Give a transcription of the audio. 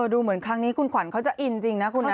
ดูเหมือนครั้งนี้คุณขวัญเขาจะอินจริงนะคุณนะ